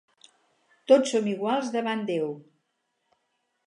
Tots som iguals davant Déu.